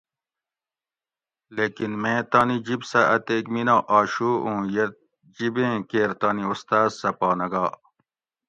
لیکِن میں تانی جِب سہۤ اتیک مینہ آشُو اُوں یہ جب ایں کیر تانی استاز سہ پا نہ گا